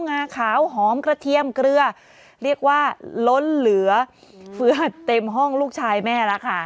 งาขาวหอมกระเทียมเกลือเรียกว่าล้นเหลือเฟือเต็มห้องลูกชายแม่แล้วค่ะ